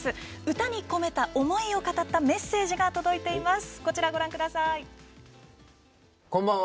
歌に込めた思いを語ったメッセージが届いています。